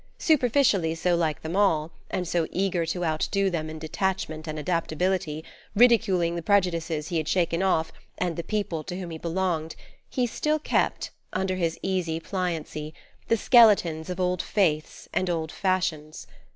Superficially so like them all, and so eager to outdo them in detachment and adaptability, ridiculing the prejudices he had shaken off, and the people to whom he belonged, he still kept, under his easy pliancy, the skeleton of old faiths and old fashions.